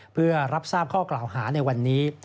เพื่อรับทราบข้อกล่าวหาในวันนี้